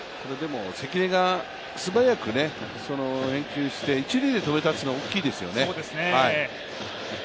関根がすばやく返球して一塁で止めたのは大きいですよね。